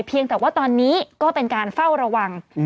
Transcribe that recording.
เพียงแต่ว่าตอนนี้ก็เป็นการเฝ้าระวัง